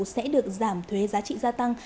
sẽ được giảm thuế giá trị gia tăng